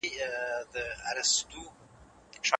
که بکس وي نو کتاب نه ورکېږي.